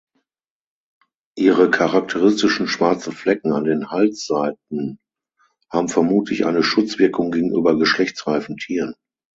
Ihre charakteristischen schwarzen Flecken an den Halsseiten haben vermutlich eine Schutzwirkung gegenüber geschlechtsreifen Tieren.